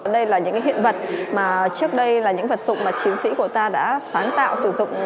đây là những hiện vật mà trước đây là những vật dụng mà chiến sĩ của ta đã sáng tạo sử dụng